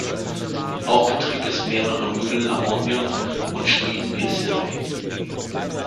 Auch betrieb es mehrere Mühlen am Ognon und Schmieden in Cirey.